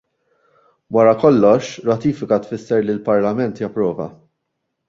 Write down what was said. Wara kollox ratifika tfisser li l-Parlament japprova.